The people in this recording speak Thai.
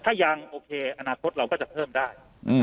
ถ้ายังโอเคอนาคตเราก็จะเพิ่มได้